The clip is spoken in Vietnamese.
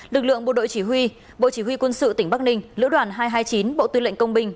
lực lượng bộ đội chỉ huy bộ chỉ huy quân sự tỉnh bắc ninh lữ đoàn hai trăm hai mươi chín bộ tư lệnh công binh